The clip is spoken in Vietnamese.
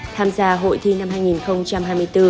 tham gia hội thi năm hai nghìn hai mươi bốn